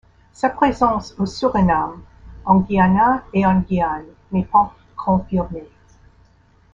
Sa présence au Surinam, en Guyana et en Guyane n'est pas confirmée.